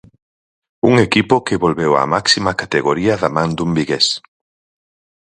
Un equipo que volveu á máxima categoría da man dun vigués.